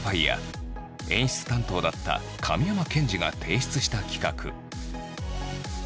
演出担当だった神山健治が提出した企画。